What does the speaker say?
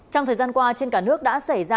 trong thời gian qua trên cả nước đã xảy ra